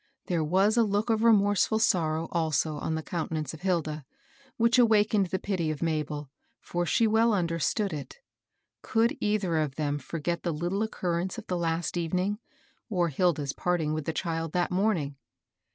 There was a look of remorse^ ftd sorrow also on the countenance of Hilda, which awakened the pity of Mabel, for she well understood it Could either of them forget the little occurrence of the last evening, or Hilda's parting with the child that morning